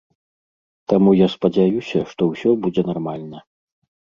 Таму я спадзяюся, што ўсё будзе нармальна.